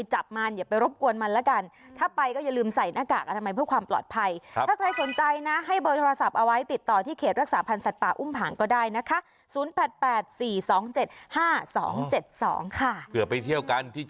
หรือไปเที่ยวกันที่จังหวัดต่างเลย